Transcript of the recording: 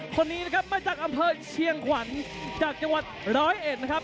คนนี้นะครับมาจากอำเภอเชียงขวัญจากจังหวัดร้อยเอ็ดนะครับ